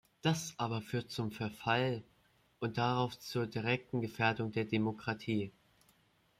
Das aber führt zum Verfall und darauf zur direkten Gefährdung der Demokratie.